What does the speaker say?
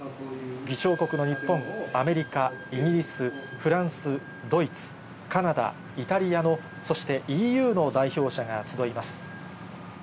議長国の日本、アメリカ、イギリス、フランス、ドイツ、カナダ、イタリアの、そしてＥＵの代表者が集います。